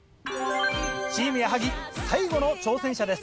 チーム矢作最後の挑戦者です。